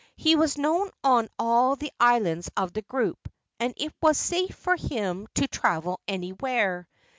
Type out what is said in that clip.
He was known on all the islands of the group, and it was safe for him to travel anywhere.